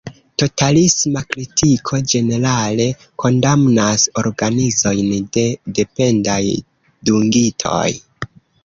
Totalisma kritiko ĝenerale kondamnas organizojn de dependaj dungitoj.